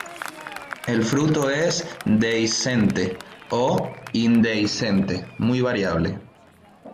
El fruto es dehiscente o indehiscente, muy variable.